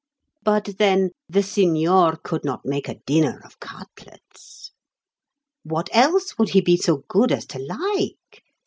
But, then, the signor could not make a dinner of cutlets. What else would he be so good as to like?